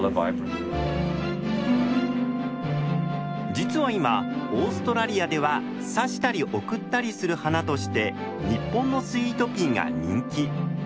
実は今オーストラリアでは挿したり贈ったりする花として日本のスイートピーが人気。